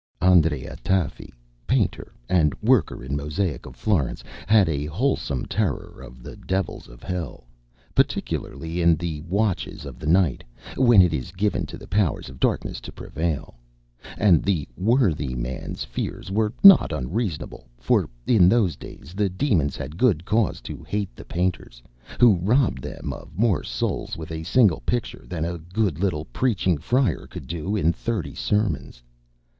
Andrea Tafi, painter and worker in mosaic of Florence, had a wholesome terror of the Devils of Hell, particularly in the watches of the night, when it is given to the powers of Darkness to prevail. And the worthy man's fears were not unreasonable, for in those days the Demons had good cause to hate the Painters, who robbed them of more souls with a single picture than a good little Preaching Friar could do in thirty sermons.